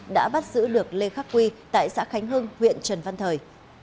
đã bắt giữ được lê khắc quy tại xã khánh hưng huyện trần văn thời